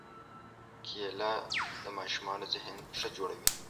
کېله د ماشومانو ذهن ښه جوړوي.